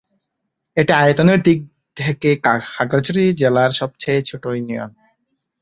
এটি আয়তনের দিক থেকে খাগড়াছড়ি জেলার সবচেয়ে ছোট ইউনিয়ন।